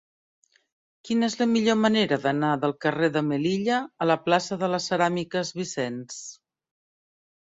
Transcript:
Quina és la millor manera d'anar del carrer de Melilla a la plaça de les Ceràmiques Vicens?